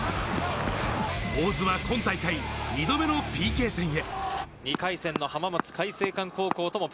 大津は今大会２度目のＰＫ戦へ。